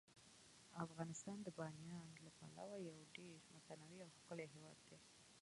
افغانستان د بامیان له پلوه یو ډیر متنوع او ښکلی هیواد دی.